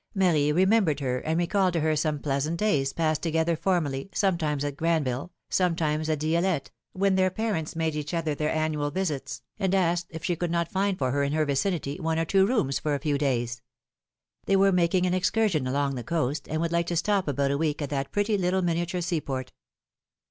Marie remembered her, and recalled to her some pleasant days passed to gether formerly, sometimes at Granville, sometimes at Dielette, when their parents made each other their an nual visits, and asked if she could not find for her in her vicinity, one or two rooms for a few days. They were making an excursion along the coast, and would like to stop about a week at that pretty little miniature seaport.